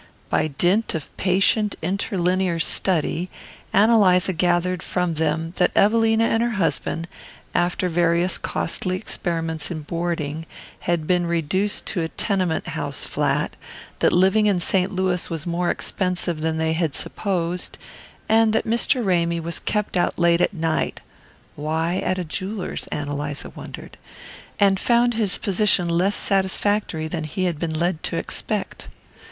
By dint of patient interlinear study, Ann Eliza gathered from them that Evelina and her husband, after various costly experiments in boarding, had been reduced to a tenement house flat; that living in St. Louis was more expensive than they had supposed, and that Mr. Ramy was kept out late at night (why, at a jeweller's, Ann Eliza wondered?) and found his position less satisfactory than he had been led to expect.